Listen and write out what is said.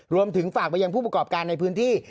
รวมถึงฝากไปยังผู้ประกอบการในพื้นที่